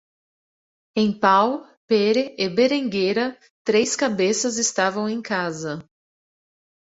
Em Pau, Pere e Berenguera, três cabeças estavam em casa.